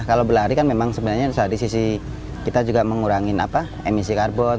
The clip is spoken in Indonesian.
kalau berlari kan memang sebenarnya dari sisi kita juga mengurangi emisi karbon